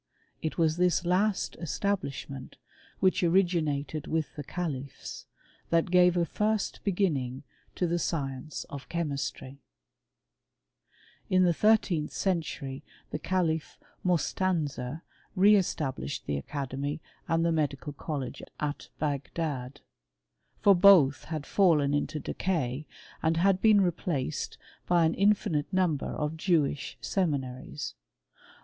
It was this last establishment which originated with th^^ califs that gave a first beginning to the science o^ chemistry, ■ f In the thirteenth century the caJif Mostanser established the academy and the medical college 2^ Bagdad : for both had fallen into decay, and h been replaced by an infinite number of Jewish semi r"? naries.